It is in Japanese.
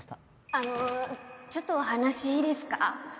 あのちょっとお話いいですか？